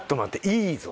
いいぞ！